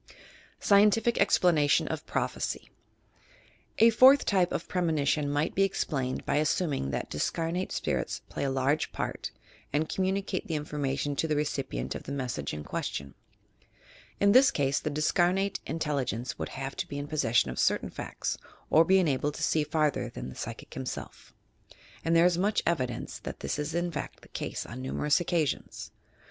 SCIENTIFIC EXPLANATION OP PROPHBCT A fourth type of premonition might be explained by assuming that discamate spirits play a large part and communicate the information to the recipient of the mes sage in question. In this case the discamate intelli gence would have to be in poesession of certain facta 3 282 TOUR PSYCHIC POWERS or be enabled to see further than the psychic himself, and there is much evidence that this is in fact the case, on numerous occasions.